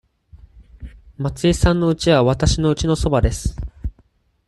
松井さんのうちはわたしのうちのそばです。